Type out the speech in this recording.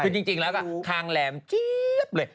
คือจริงแล้วก็คางแหลมเจี๊ยบเลย